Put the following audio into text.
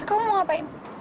kamu mau ngapain